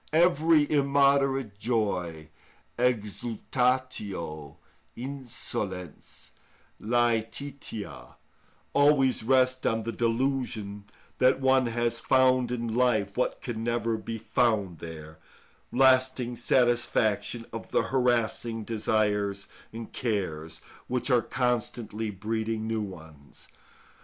Every immoderate joy (exultatio, insolens lætitia) always rests on the delusion that one has found in life what can never be found there—lasting satisfaction of the harassing desires and cares, which are constantly breeding new ones.